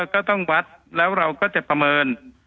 ก็ต้องวัดแล้วเราก็จะประเมิน